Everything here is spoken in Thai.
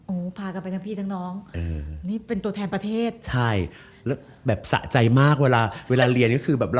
โอ้อพากลับไปทั้งพี่ทั้งน้องเป็นตัวแทนประเทศใช่สะใจมากเวลาเรียน